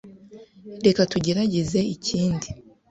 Reka tugerageze ikindi.